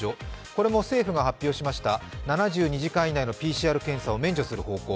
これも政府が発表しました７２時間以内のＰＣＲ検査を免除する方向。